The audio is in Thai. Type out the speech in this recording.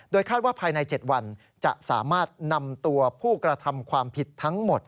คาดว่าภายใน๗วันจะสามารถนำตัวผู้กระทำความผิดทั้งหมด